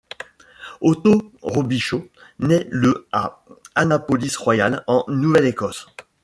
Otho Robichaud nait le à Annapolis Royal, en Nouvelle-Écosse.